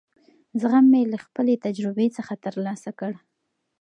زغم مې له خپلې تجربې څخه ترلاسه کړ.